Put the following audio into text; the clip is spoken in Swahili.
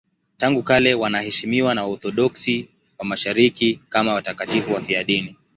Tangu kale wanaheshimiwa na Waorthodoksi wa Mashariki kama watakatifu wafiadini.